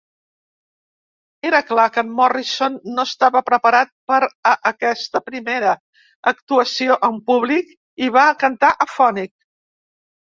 Era clar que en Morrison no estava preparat per a aquesta, primera, actuació en públic i va cantar afònic.